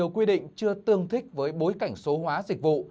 quy định chưa tương thích với bối cảnh số hóa dịch vụ